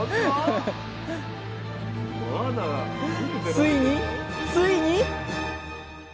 ついについに！